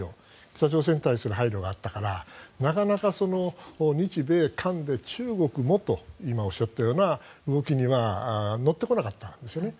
北朝鮮に対する配慮があったからなかなか日米韓で中国もと今おっしゃったような動きには乗ってこなかったんですね。